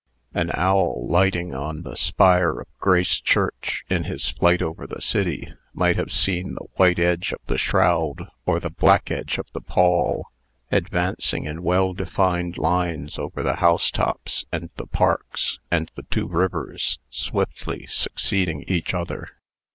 An owl, lighting on the spire of Grace Church in his flight over the city, might have seen the white edge of the shroud, or the black edge of the pall, advancing in well defined lines over the housetops, and the parks, and the two rivers, swiftly succeeding each other.